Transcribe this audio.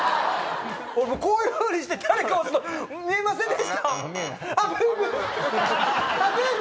こういうふうにして誰か押すの見えませんでした？